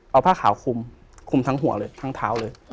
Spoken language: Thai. เอาผ้าขาวคุมทั้งหัวเลยทั้งเท้าเลย